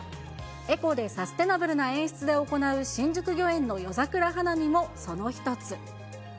エコでサステナブルな演出で行う新宿御苑の夜桜花見もその一つ。